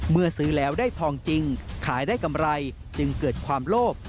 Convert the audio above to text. เมื่อซื้อแล้วได้ทองจริงขายได้กำไรจึงเกิดความโลภ